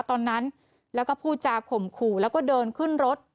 ตอนนั้นแล้วก็พูดจาข่มขู่แล้วก็เดินขึ้นรถ